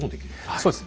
そうです。